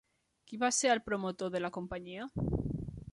Qui va ser el promotor de la companyia?